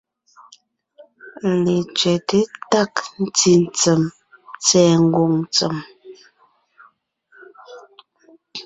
Letsẅɛ́te tág ntí ntsèm tsɛ̀ɛ ngwòŋ ntsèm,